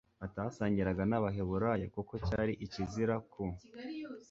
batasangiraga n Abaheburayo kuko cyari ikizira ku